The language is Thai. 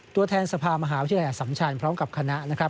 ตัวแทนสภามหาวิทยาลัยอสัมชันพร้อมกับคณะนะครับ